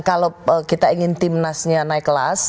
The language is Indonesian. kalau kita ingin timnasnya naik kelas